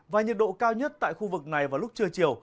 và nhiệt độ cao nhất tại khu vực này vào lúc trưa chiều